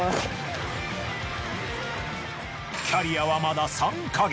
キャリアはまだ３ヵ月。